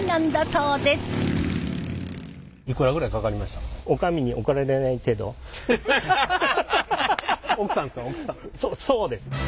そうですね。